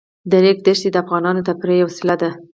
د ریګ دښتې د افغانانو د تفریح یوه وسیله ده.